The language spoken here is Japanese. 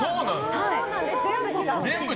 全部違う。